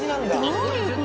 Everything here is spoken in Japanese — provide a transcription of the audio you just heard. どういう事？